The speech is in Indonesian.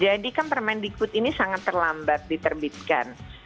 jadi kan permendikbud ini sangat terlambat diterbitkan